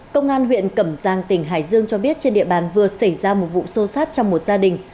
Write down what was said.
công an huyện cẩm giang tỉnh hải dương cho biết trên địa bàn vừa xảy ra một vụ xô xát trong một gia đình